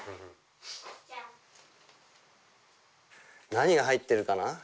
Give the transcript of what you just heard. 何が入ってるかな？